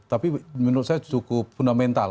tapi menurut saya cukup fundamental